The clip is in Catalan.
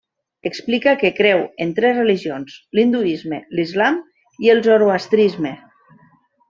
Explica que creu en tres religions: l'hinduisme, l'islam i el zoroastrisme.